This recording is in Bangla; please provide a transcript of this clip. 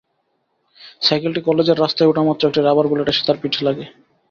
সাইকেলটি কলেজের রাস্তায় ওঠামাত্র একটি রাবার বুলেট এসে তার পিঠে লাগে।